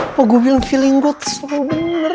apa gue bilang feeling gue tuh selalu bener